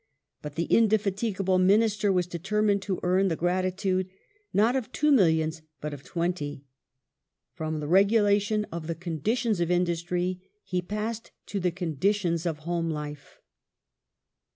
But the indefatigable Minister was determined to earn the gratitude not of two millions, but of twenty. From the regulation of the conditions of industry, he passed to the conditions of home life.